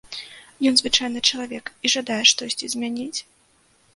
Ён звычайны чалавек і жадае штосьці змяніць?